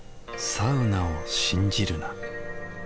サウナを信じるな。